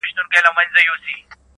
چي مي سترګي د یار و وینم پیالو کي ,